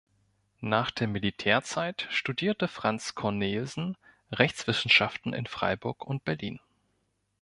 Nach der Militärzeit studierte Franz Cornelsen Rechtswissenschaften in Freiburg und Berlin.